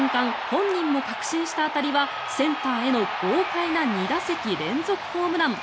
本人も確信した当たりはセンターへの豪快な２打席連続ホームラン。